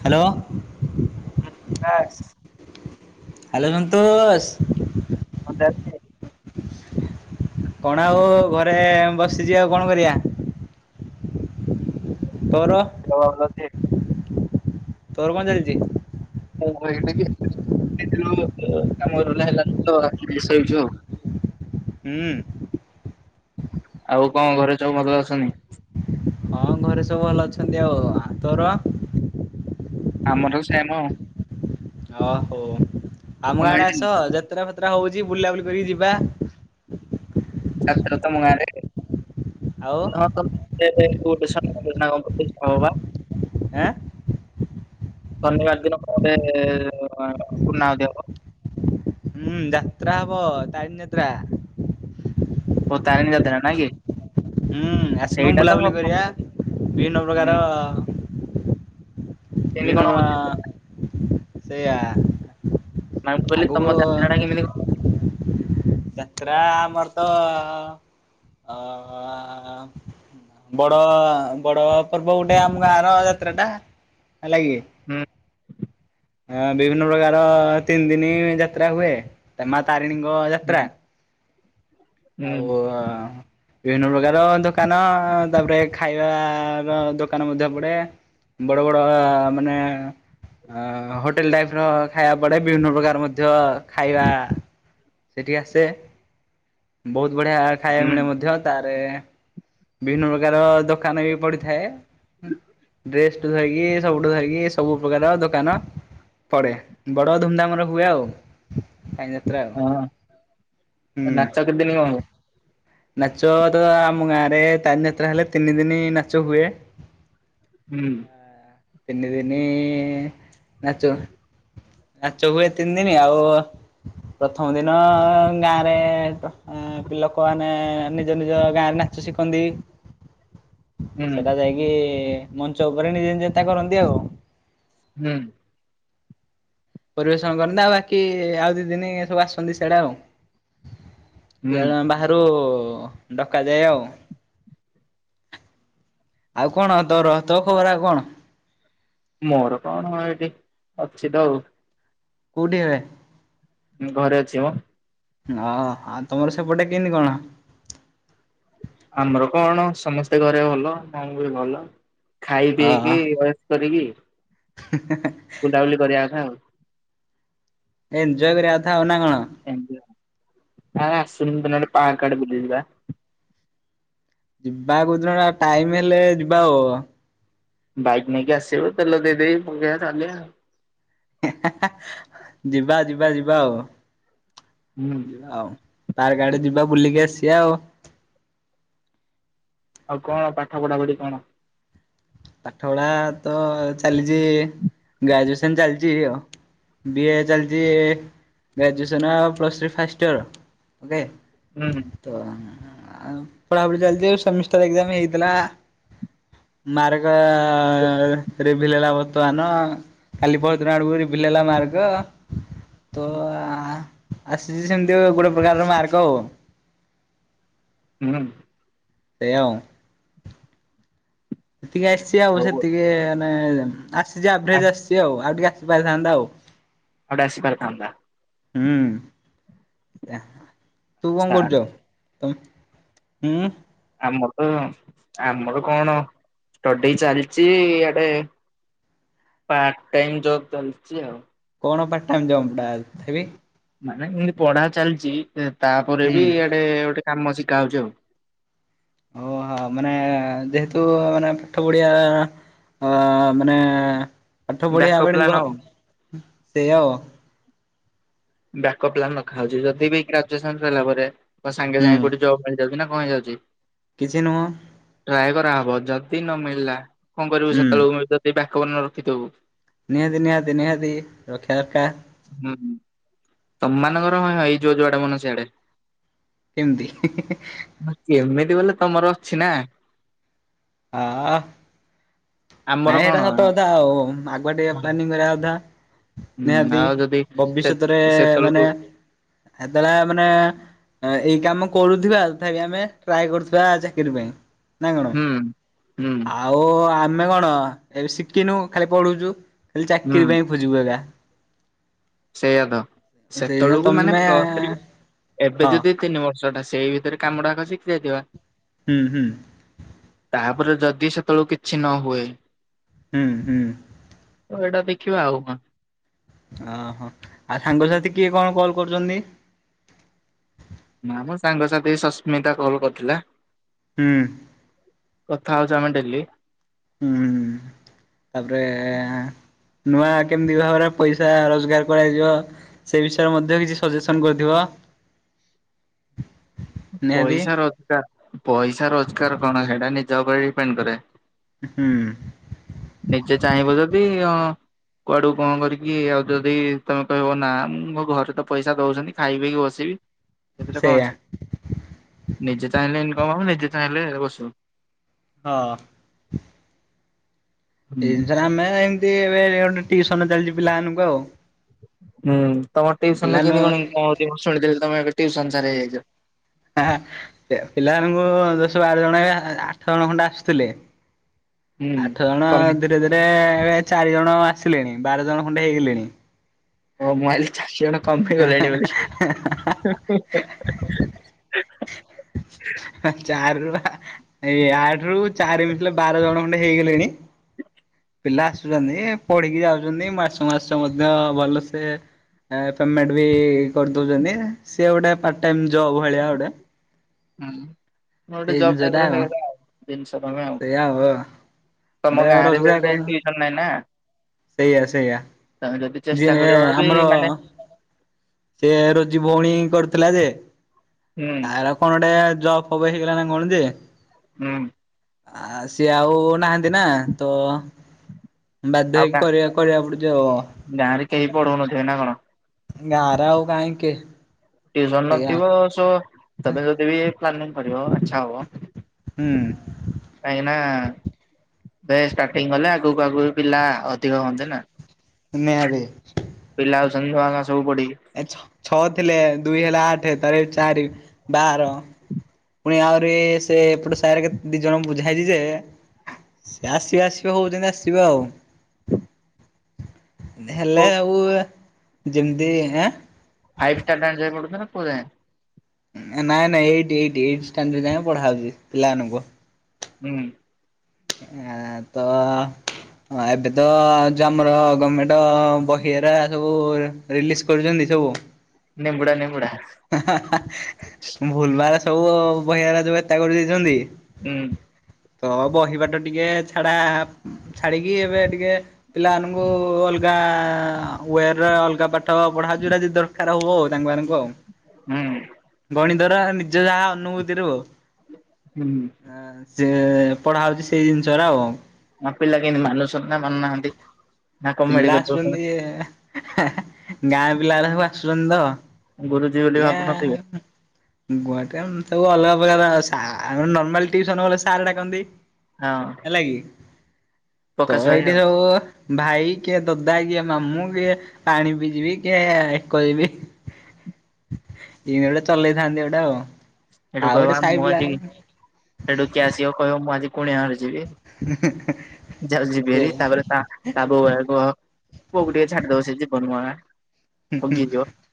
Hello. ହୁଁ [unintelligible] hello Santosh. କଣଟା କଣ ଆଉ ଘରେ ବସିଚି, ଆଉ କଣ କରିବା? ତୋର [unintelligible] ତୋର କଁଅ ଚାଲିଚି? ମୁଁ ମୋର ଏମିତି, କାମ ରହିଲା ହେଲାନି ତ, ଆସିକି ଶୋଇଚି ଆଉ। ହୁଁ। ଆଉ କଁଅ ଘରେ ସବୁ ଭଲ ଅଛନ୍ତି? ହଁ ଘରେ ସବୁ ଭଲ ଅଛନ୍ତି ଆଉ। ଆଉ ତୋର? ଆମର ବି ସେମ। ଅ ହୋ ଆମ କଣ ଆଡେ ଖାଇଥିଲୁ? ଆସ, ଯାତ୍ରା, ଫାତ୍ରା ହଉଚି, ବୁଲାବୁଲି କରିକି ଯିବା। ଯାତ୍ରା ତମ ଗାଁରେ, ଆଉ [unintelligible] ଏବେ ଫୁଡ ବିସ [unintelligible] ଆଁ ଶନିବାର ଦିନ କଁଅ ଗୋଟେ ପୂର୍ଣା ଆହୂତି ହବ? ହୁଁ ଯାତ୍ରା ହବ, ତାରିଣି ଯାତ୍ରା। ଓ ତାରିଣୀ ଯାତ୍ରା ନାଇକି। ହୁଁ ଆସୁନ ବୁଲାବୁଲି କରିବା। ଭିନ୍ନ ହୁଁ ପ୍ରକାର କେମିତି କଣ ବିଭିନ୍ନ ହଉଛି? ପ୍ରକାର ସେଇଆ। ମାନେ ମୁଁ କହିଲି ତମ ଆଗକୁ ଯାତ୍ରା ଟା କେମିତି କଣ? ଯାତ୍ରା ଆମର ତ ଅ ଅ ଅ ବଡ, ବଡ ପର୍ବ ଗୋଟେ ଆମ ଗାଁର ଯାତ୍ରାଟା। ହେଲାକି। ହୁଁ ହଁ ବିଭିନ୍ନ ପ୍ରକାର ତିନି ଦିନି ଯାତ୍ରା ହୁଏ। ତା ମା ତାରିଣୀଙ୍କ ହୁଁ ଯାତ୍ରା। ହୁଁ ଆଉ ଅଁ ବିଭିନ୍ନ ପ୍ରକାର ଦୋକାନ ତାପରେ ଖାଇବାର ଦୋକାନ ମଧ୍ୟ ପଡେ। ବଡ ବଡ ମାନେ ଅ ହୋଟେଲ ଟାଇପର ଖାଇବା ପଡେ। ବିଭିନ୍ନ ପ୍ରକାର ମଧ୍ୟ ଖାଇବା ସେଠିକି ଆସେ, ବହୁତ ବଢିଆ ଖାଇବା ହୁଁ ମିଳେ ମଧ୍ୟ। ତାରେ ବିଭିନ୍ନ ପ୍ରକାର ଦୋକାନ ବି ପଡିଥାଏ। ଡ୍ରେସଠୁ ଧରିକି ସବୁଠୁ ଧରିକି ସବୁ ପ୍ରକାର ଦୋକାନ। ପଡେ, ବଡ ଧୁମଧାମରେ ହୁଏ ଆଉ। କାଇଁ ଯାତ୍ରା। ଆଉ ହଁ, ଏ ହୁଁ। ନାଚ କେତେଦିନ କଁଅ ହେବ? ନାଚ ତ ଆମ ଗାଁରେ ତାରିଣୀଯାତ୍ରା ହେଲେ ତିନି ଦିନି ନାଚ ହୁଏ। ହୁଁ ତିନିଦିନି ନାଚଉ। ନାଚ ହୁଏ ତିନି ଦିନୀ ଆଉ ପ୍ରଥମ ଦିନ ଗାଁରେ ତ ଅ ପି ଲୋକମାନେ ନିଜ ନିଜ ଗାଁରେ ନାଚ ଶିଖନ୍ତି। ହୁଁ ସେଟା ଯାଇକି ମଞ୍ଚ ଉପରେ ନିଜେ ନି [unintelligible] କରନ୍ତି ଆଉ। ହୁଁ। ପରିବେଷଣ କରନ୍ତି ଆଉ ବାକି ଆଉ ଦି ଦିନ ସବୁ ଆସନ୍ତି ସେଇଆଟା ଆଉ। ହୁଁ ସେ ବାହାରୁ ଡକାଯାଏ ଆଉ। ଆଉ କଣ ତୋର ତୋ ଖବର ଆଉ କଣ? ମୋର କଣ ଏଇଠି ଅଛି ତ ଆଉ, କଉଠି ଏବେ? ଘରେ ଅଛି ମ? ହଁ ଆଉ ତମର ସେପଟେ କେମିତି କଣ? ଆମର କଣ ସମସ୍ତେ ଘରେ ଭଲ, ମୁଁ ବି ଭଲ, ଖାଇ ପିଇକି ଅ କରିବି। ହ [unintelligible] ବୁଲାବୁଲି କରିବା କଥା ଆଉ। ଏଞ୍ଜୟ କରିବା କଥା ଆଉ ନା କଣ? ଆସୁନେ [unintelligible] ପାହା କାର୍ଡ ବୁଲିଯିବା? ଭାଇ କୋଉ ଦିନ ଟାଇମ ହେଲେ ଯିବା ଆଉ। ବାଇକ୍ ନେଇକି ଆସିବ ତେଲ ଦେଇ ଦେବି ପକେଇଆ ଚଲେଇଆ ଆଉ। ଯିବା, ଯିବା, ଯିବା, ଆଉ ହୁଁ ଯିବା ଆଉ। ପାର୍କ ଆଡେ ଯିବା ବୁଲିକି ଆସିବା ଆଉ। ଆଉ କଣ ପାଠ ପଢା ପଢି କଣ? ପାଠ ପଢା ତ ଚାଲିଛି ଗ୍ରାଜୁଏସନ ଚାଲିଛି ଆଉ। ବିଏ ଚାଲିଛି graduation plus three first year, okay. ହୁଁ, ହୁଁ। ତ ପଢାପଢି ଚାଲିଛି ସେମିଷ୍ଟର ଏକ୍ସାମ ହେଇଥିଲା ମାରଗ ରେଭିଲ ହେଲା ବର୍ତ୍ତମାନ କାଲି ପରଦିନ ନ ଆଡକୁ ରେଭିଲ ହେଲା ମାର୍ଗ ହୁଁ, ଆସିଛି ସେମିତି ଗୋଟେ ପ୍ରକାରର ମାର୍କ ଆଉ। ହୁଁ। ସେଇଆ ଆଉ। ସେତିକି ଆସିଛି ଆଉ ହଉ ସେତିକି ମାନେ ଆସିଛି ଆ ଆଭରେଜ ଆସିଛି। ଆଉ ଟିକେ ଆସି ପାରିଥାନ୍ତା ଆଉ। ଆଉ ଟିକେ ଆସିପାରିଥାନ୍ତା। ହୁଁ, ତୁ କଣ ଆଚ୍ଛା କରୁଚୁ? ତମ ହୁଁ, ଆମର ତ, ଆମର କଣ ଷ୍ଟଡି ଚାଲିଛି ଆଡେ ପାର୍ଟ ଟାଇମ ଜବ୍ ଚାଲିଛି ଆଉ। କଣ ପାର୍ଟ ଟାଇମ ଜବ ଟା ତଥାବି? ମାନେ ଏ ପଢା ଚାଲିଚି ତାପରେ ବି ହୁଁ। ଆଡେ ଗୋଟେ କାମ ଶିଖା ହଉଚି ଆଉ। ଓହୋ ମାନେ ଯେହେତୁ ମାନେ ପାଠ ପଢିଆ ଅ ମାନେ ପାଠ ପଢିଆ ବ୍ୟାକଅପ୍ ପ୍ଲାନ୍ ଆଉ [unintelligible] ସେଇଆ ଆଉ। ବ୍ୟାକପ୍ ପ୍ଲାନ୍ ରଖାହଉଛି। ଯଦି ବି ଗ୍ରାଜୁଏସନ ସଇଲା ପରେ ବା ସାଙ୍ଗେ ହୁଁ ସାଙ୍ଗେ କୋଉଠି ଜବ୍ ମିଳିଯାଉଛି ନା କଣ ହେଇଯାଉଛି କିଛି ନୁହଁ? ଟ୍ରାଏ କରାହବ ଯଦି ନ ମିଳିଲା କଣ କରିବୁ ହୁଁ ସେତେବେଳକୁ ଯଦି ବ୍ୟାକପ ନରଖିଥିବୁ ନିହାତି, ନିହାତି, ନିହାତି ରଖିବା ଦରକାର। ହୁଁ। ତମ ମାନଙ୍କର କଣ ଏଇ ଯୋଉ ଯୁଆଡେ ମନ ସିଆଡେ। କେମିତି ହେ ହେଁ। କେମିତି ବୋଲେ ତମର ଅଛି ନା। ଅ ହଁ। ଆମର ନାଇଁ କଣ ଏଇଟା ସତ କଥା ଆଉ ଆଗୁଆ ଟିକେ ପ୍ଲାନିଂ କରିଆ କଥା। ହୁଁ ନିହାତି ଆଉ ଯଦି ସେ ବବିଷ୍ୟତରେ ସେତେବେଳକୁ ମାନେ ଏତେବେଳେ ମାନେ ଏଇ କାମ କରୁଥିବା ତଥାପି ଆମେ ଟ୍ରାଏ କରୁଥିବା ଚାକିରି ପାଇଁ। ନାଇଁ କଣ ହୁଁ ହୁଁ ଆଉ ଆମେ କଣ ଏବେ ଶିଖିନୁ ଖାଲି ପଢୁଚୁ। ଖାଲି ହୁଁ ଚାକିରି ପାଇଁ ଖୋଜିବୁ ଏଗା। ସେଇଆ ଦ ସେତେବେଳକୁ ମାନେ ପ୍ଲସ୍ଥରି ଏବେ ହଁ ଯଦି ତିନି ବର୍ଷ ଟା ସେଇ ଭିତରେ କାମଟା ଏକା ଶିଖି ଯାଇଥିବା। ହୁଁ ହୁଁ। ତାପରେ ଯଦି ସେତେବେଳୁ କିଛି ନ ହୁଏ। ହୁଁ ହୁଁ। ତ ଏଇଟା ଦେଖିବା ଆଉ କଣ। ଓହୋ ଆଉ ସାଙ୍ଗସାଥି କିଏ କଣ କଲ୍ କରୁଛନ୍ତି? ନା ମ ସାଙ୍ଗସାଥି ସସ୍ମିତା କଲ୍ କରିଥିଲା। ହୁଁ। କଥା ହଉଛୁ ଆମେ ଡେଲି। ହୁଁ ତାପରେ ନୂଆ କେମିତି ଭାବରେ ପଇସା ରୋଜଗାର କରାଯିବ ସେ ବିଷୟରେ ମଧ୍ୟ କିଛି ସଜେସନ କରିିଥିବ। ନିହାତି ପଇସା ରୋଜଗାର ପଇସା ରୋଜଗାର କଣ ହେଟା ନିଜ ଉପରେ ଡିପେଣ୍ଡ କରେ। ହୁଁ। ନିଜେ ଚାହିଁବ ଯଦି ଅଁ କୁଆଡୁ କଣ କରିକି ଆଉ ଯଦି ତମେ କହିବ ନା ମୁଁ ମୋ ଘରେ ତ ପଇସା ଦଉଛନ୍ତି ଖାଇ ପିଇକି ବସିବି ସେଥିରେ କଣ ସେଇଆ ଅଛି ନିଜେ ଚାହିଁଲେ ଇନକମ ହବ ନିଜେ ଚାହିଁଲେ ବସିବ। ହଁ। ହୁଁ ଏଇ ଜିନିଷରେ ଆମେ ଏମତି ଏବେ ଗୋଟେ ଟିସନ ଚାଲିଚି ପିଲାମାନଙ୍କୁ ଆଉ। ହୁଁ ତମ ଟିଉସନରୁ ପିଲା ନୁ କେମିତି କଣ ଇନକମ ହଉଚି ମୁଁ ଶୁଣିଥିଲି ତମେ ଏବେ ଟିଉସନ ସାର ହେଇଯାଇଛ। ପିଲାମାନଙ୍କୁ ଦଶ ବାର ଜଣ ଆଠ ଜଣ ଖଣ୍ଡେ ଆସୁଥିଲେ ହୁଁ। ଆଠ ଜଣ କମି ଧୀରେ ଧୀରେ ଏବେ ଚାରି ଜଣ ଆସିଲେଣି ବାର ଜଣ ଖଣ୍ଡେ ହେଇଗଲେଣି। ଓ ମୁଁ ଆଇଲି ଚାରିଶ ଜଣ କମି ଗଲେଣି ବୋଲି। ଚାରି ରୁ ଏଇ ଆଠ ରୁ ଚାରି ମିଶିଲେ ବାର ଜଣ ଖଣ୍ଡେ ହେଇଗଲେଣି। ପିଲା ଆସୁଛନ୍ତି ପଢିକି ଯାଉଛନ୍ତି ମାସକୁ ମାସ ମଧ୍ୟ ଭଲସେ ପେମେଣ୍ଟ ବି କରିଦଉଚନ୍ତି ସିଏ ଗୋଟେ ପାଟ ଟାଇମ ଜବ ଭଳିଆ ଗୋଟେ ହୁଁ ମୋର ଗୋଟେ ସେଇ ଜବ ଟାଇପର ହେଇଗଲା ଆଉ ତିନିଶ ଟଙ୍କା ଆଉ। ଏହାବ [unintelligible] ତମ ଗାଁରେ ସେଇଥିପାଇଁ ଟିଉସନ ନାଇଁ ନା। ସେଇଆ ସେଇଆ ତମେ ଯଦି ଚେଷ୍ଟା ଯିଏ କରିବ ବି ମାନେ ଆମର ସେ ରୋଜି ଭଉଣୀ କରୁଥିଲା ଯେ ହୁଁ ତାଳ କଣ ଗୋଟେ ଜବ୍ ଫବ ହେଇଗଲା ନା କଣ ଯେ ହୁଁ। ଆ ସିଏ ଆଉ ନାହାନ୍ତି ନା ତ ବାଧ୍ୟ ଆଉ ହେଇକି ଗାଁ କରିବା କରିବାକୁ ପଡୁଚି ଆଉ। ଗାଁରେ କେହି ପଢଉନଥିବେ ନା କଣ? ଗାଁରେ ଆଉ କାଇଁ କିଏ? କିଏ ଧର ନଥିବ ସ ତମେ ଯଦି ବି ପ୍ଲାନିଂ କରିବ ଆଚ୍ଛା ହୁଆ। ହୁଁ। କାହିଁକି ନା ବେଶ ଷ୍ଟାଟିଙ୍ଗ ଗଲେ ଆଗକୁ ଆଗକୁ ପିଲା ଅଧିକ ହୁଅନ୍ତି ନା। ନ୍ୟାୟ ରେ। ପିଲା ଆଉଚନ୍ତି ନୂଆ ନୂଆ ସବୁ ପଡି। ଛ ଛଅ ଥିଲେ ଦୁଇ ହେଲା ଆଠ ଥରେ ଚାରି ବାର ଫୁଣି ଆହୁରି ସେ ଏପଟେ ସା କେ ଦି ଜଣଙ୍କୁ ବୁଝା ହେଇଚି ଯେ ସେ ଆସିବେ ଆସିବେ ହୋଉଚନ୍ତି ଆସିବେ ଆଉ? ହେଲେ କୋଉ ଆଉ ଯେମିତି ଏ? [unintelligible] ନାଇଁ ନାଇଁଇ ଏଇଟି ଏଇଟି ଏଇଟି ଷ୍ଟାଣ୍ଡାର୍ଡ ଯାଏ ପଢା ହୋଉଚି ପିଲାମାନଙ୍କୁ? ହୁଁ। ଆ ତ ହଁ ଏବେ ତ ଯ ଆମର ଗମେଣ୍ଟ ବହିରା ସବୁ ରିଲିଜ୍‌ କରୁଛନ୍ତି ସବୁ। ନିମ୍ବୁଡା ନିମ୍ବୁଡା। ଭୁଲ ଭାଲ ସବୁ ବହିରା ଯୋଉ ଏତା କରି ଦେଇଛନ୍ତି। ହୁଁ। ତ ବହିିବାଟ ଟିକେ ଛାଡା ଛାଡିକି ଏବେ ଟିକେ ପିଲା ମାନଙ୍କୁ ଅଲଗା ୱେର ଅଲଗା ପା ତ ପଢା ଯୁଡା ଯି ଦରକାର ହବ ଆଉ ତାଙ୍କମାନାନଙ୍କୁ ଆଉ। ହୁଁ। ଗଣିତରା ନିଜ ଯାହା ଅନୁଭୂତିରୁ ହୋଉ। ହୁଁ। ହୁଁ ସିଏ ପଢା ହଉଛି ସେଇ ଜିନିଷରା ଆଉ। ଆମ ପିଲା କେମିତି ମାନୁସନ୍ଥା ମାନୁନାହାନ୍ତି ନା କଣ ପିଲା ମେଡିକା କରିଦଉଛନ୍ତି। ଆସୁଛନ୍ତି ଗାଁ ପିଲାରା ସବୁ ଆସୁଛନ୍ତି ତ। ଗୁରୁଜୀ ବୋଲି ଟିଆ ଭାବୁନଥିବେ ଗୁଆଟେ ସବୁ ଅଲଗା ପ୍ରକାର ସା ନର୍ମାଲ ଟ୍ୟୁସନ ବେଳେ ସାର୍ ଡାକନ୍ତି। ହଁ। ହେଲାକି ତ ପ୍ରକାଶ ଭାଇ ଏଇଠି ଆଉ ସବୁ ଭାଇ କିଏ ଦଦା କିଏ ମାମୁଁ କିଏ ପାଣି ପିଜିବି କିଏ ଏକ ଯିବି। ଇ ଗୋଟେ ଚଲେଇଥାନ୍ତି ଗୋଟେ ଆଉ ଆଉ ଗୋଟେ ସାଇ ପିଲା। ଏ ଡୁକି ଆସିବ କହିବ ମୁଁ ଆଜି କୁଣିଆ ଘର ଯିବି ଯ ସେ ଯିବିଆରୀ ତାପରେ ତା ତା ବୋହୁ ଆଗେ କହ ପୁଅ କୁ ଟିକେ ଛାଡିଦବ ସେ ଜୀବନୁ ପରା। ଠିକ ଠ [unintelligible]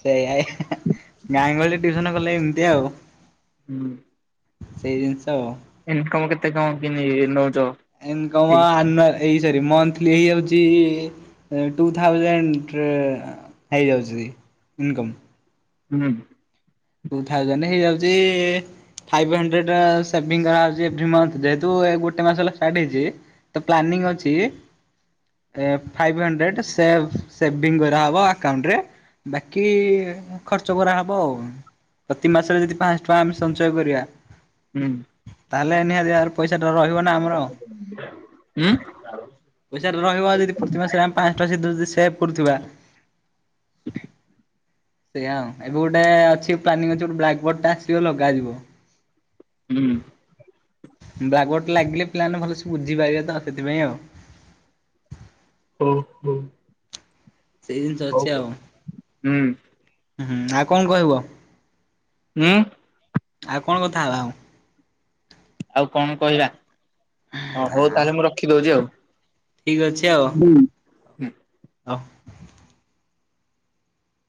ସେଇଆ ଗାଁ ଗହଳି ଟିଉସନ କଲେ ଏମିତି ଆଉ। ହୁଁ। ସେଇ ଜିନିଷ ବ। ଇନ୍‌କମ୍ କେତେ କଣ କିିନି ନଉଚ? ଇନ୍‌କମ୍ ଆନୱାର ଏଇ ସରି ମନ୍ଥଲି ଏଇଯାଉଛି ଟୁ ଥାଉଜେଣ୍ଡ। ହେଇଯାଉଛି ଇନ୍ କମ୍। ହୁଁ ଟୁ ଥାଉଜଣ୍ଡ ହେଇଯାଉଛି। ଫାଇଭ ହୁଣ୍ଡରେଡ୍ ସେଭିଙ୍ଗ ଆଉଛି ଏଭରୀ ମନ୍ଥ। ଯେହେତୁ ଗୋଟେ ମାସ ହେଲା ଷ୍ଟାଟହେଇଛି ତ ପ୍ଳାନିଙ୍ଗ ଅଛି ଏ ଫାଇଭ୍ ହଣ୍ଡ୍ରେଡ ସେଭ ସେଭିଙ୍ଗ କରାହେବ ଆକାଉଣ୍ଟରେ। ବାକି ଖର୍ଚ୍ଚ କରା ହବ ଆଉ। ପ୍ରତି ମାସରେ ଯଦି ପାଞ୍ଚସହ ଟଙ୍କା ଆମେ ସଞ୍ଚୟ କରିବା ହୁଁ ତାହେଲେ ନିହାତି ଆ ଭାବରେ ପଇସା ଟା ରହିବ ନା ଆମର। ପଇସା ରହିବ ଯଦି ପ୍ରତିମାସରେ ଆେ ପାଞସୋ ଜଡି ସେଭ୍ କରୁଥିବା। ସେୟା। ଏବେ ଗୋଟେ ଅଛି ପ୍ଲାନିଂ ଅଛି ଗୋଟେ ବ୍ଲାକ୍ ବୋର୍ଡ ଟା ଆସିବ ଲଗାଯିବ। ହୁଁ ବ୍ଲାକ ବୋର୍ଡ ଲାଗିଲେ ପିଲାମାନେ ଭଲସେ ବୁଝିପାରିବେ ସେଥିପାଇଁ ଆଉ। ଓହ। ସେଇ ଜିନିଷ ଅଛି ଆଉ। ହୁଁ ହୁଁ ଆଉ କଣ କହିବ? ଉମଂ ଆଉ କଣ କଥା ହବା ଆଉ। ଆଉ କଣ କହିବା ଓ ହଉ ତାହେଲେ ମୁଁ ରଖିଦଉଛି ଆଉ। ଠିକ ଅଛି ହୁଁ। ଆଉ।